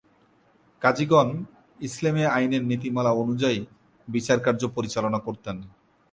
কাজীগণ ইসলামী আইনের নীতিমালা অনুযায়ী বিচারকার্য পরিচালনা করতেন।